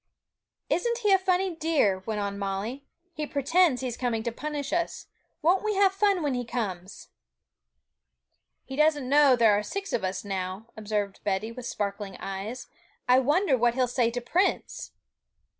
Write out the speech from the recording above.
'Isn't he a funny dear?' went on Molly. 'He pretends he's coming to punish us! Won't we have fun when he comes!' 'He doesn't know there are six of us now,' observed Betty, with sparkling eyes; 'I wonder what he will say to Prince.'